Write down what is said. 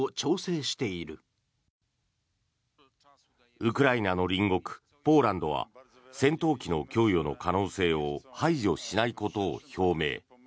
ウクライナの隣国ポーランドは戦闘機の供与の可能性を排除しないことを表明。